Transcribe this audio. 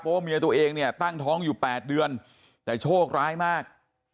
เพราะว่าเมียตัวเองเนี่ยตั้งท้องอยู่๘เดือนแต่โชคร้ายมาก